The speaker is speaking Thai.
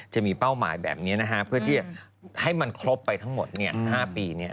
จะมีเป้าหมายแบบนี้นะฮะเพื่อที่จะให้มันครบไปทั้งหมด๕ปี